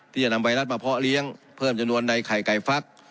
ที่จะนำไวรัสมาเพาะเลี้ยงเพิ่มจำนวนในไข่ไก่ฟัก